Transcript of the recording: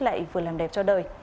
lại vừa làm đẹp cho đời